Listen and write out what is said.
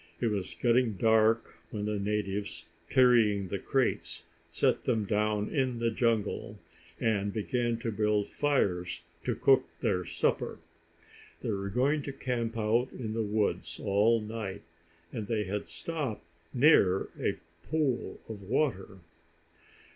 It was getting dark when the natives, carrying the crates, set them down in the jungle, and began to build fires to cook their supper. They were going to camp out in the woods all night, and they had stopped near a pool of water.